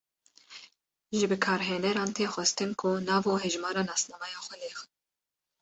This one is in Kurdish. Ji bikarhêneran tê xwestin ku nav û hejmara nasnameya xwe lêxin.